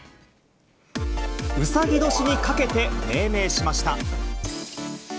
うさぎ年にかけて命名しました。